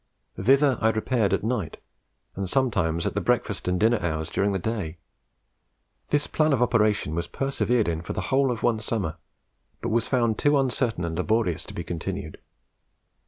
Thither I repaired at night, and sometimes at the breakfast and dinner hours during the day. This plan of operation was persevered in for the whole of one summer, but was found too uncertain and laborious to be continued.